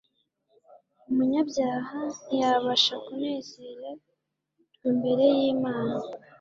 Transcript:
Umunyabyaha ntiyabasha kunezererwimbere ylmana